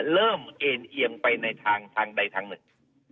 เอ็นเอียงไปในทางใดทางหนึ่ง